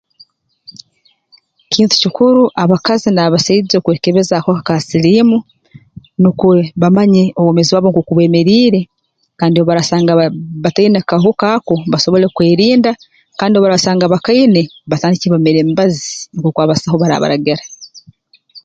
Kintu kikuru abakazi n'abasaija okwekebeza akahuka ka siliimu nukwe bamanye obwomeezi bwabo nk'oku bwemeriire kandi obu baraasanga bba bataine kahuka ako basobole kwerinda kandi obu baraasanga bakaine batandike bamire emibazi nk'oku abasaho baraabaragira